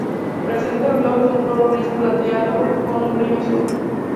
Presenta los lados de color gris plateado con un brillo azul.